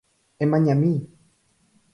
Emañami